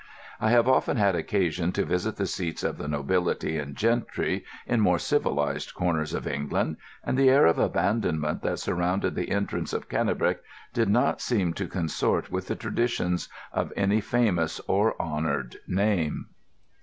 I have often had occasion to visit the seats of the nobility and gentry in more civilised corners of England, and the air of abandonment that surrounded the entrance of Cannebrake did not seem to consort with the traditions of any famous or honoured name.